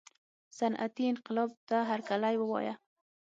صنعتي انقلاب ته هرکلی ووایه.